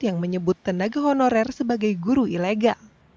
yang menyebut tenaga honorer sebagai guru ilegal